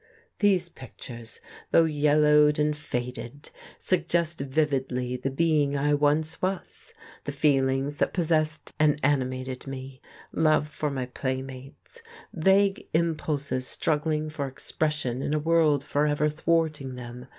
These pictures, though yellowed and faded, suggest vividly the being I once was, the feelings that possessed and animated me, love for my playmates, vague impulses struggling for expression in a world forever thwarting them.